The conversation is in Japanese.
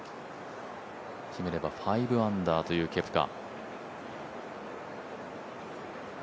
決めれば５アンダーというケプカ。